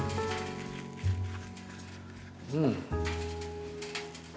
うん。